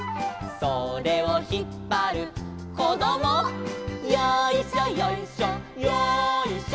「それをひっぱるこども」「よいしょよいしょよいしょ」